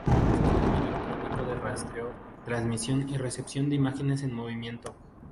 Philo construyó un sistema electrónico de rastreo, transmisión y recepción de imágenes en movimiento.